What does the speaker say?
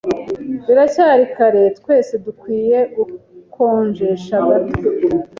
Biracyari kare. Twese dukwiye gukonjesha gato.